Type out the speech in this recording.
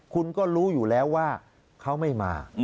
คุณก็รู้อยู่แล้วว่าเขาไม่มา